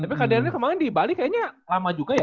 tapi keadaannya kemaren di bali kayaknya lama juga ya